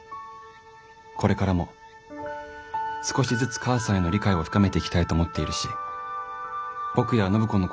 これからも少しずつ母さんへの理解を深めていきたいと思っているし僕や暢子のことも理解してほしいと思っています。